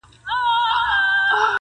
o په يوه ځين کي دوه کسه نه ځائېږي٫